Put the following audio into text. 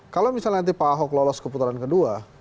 kalau misalnya nanti pak ahok lolos keputaran kedua